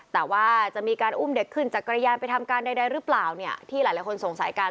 แต่ว่าจะมีการอุ้มเด็กขึ้นจักรยานไปทำการใดหรือเปล่าเนี่ยที่หลายคนสงสัยกัน